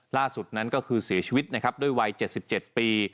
ล่าสุดนั้นก็คือเสียชีวิตนะครับด้วยวัย๗๗ปี